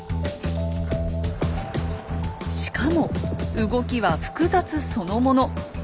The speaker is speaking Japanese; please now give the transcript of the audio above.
しかも動きは複雑そのもの。